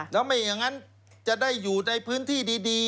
แล้ี่ยงงั้นจะได้อยู่ในพื้นที่ดีมั้ย